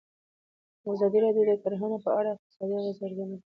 ازادي راډیو د کرهنه په اړه د اقتصادي اغېزو ارزونه کړې.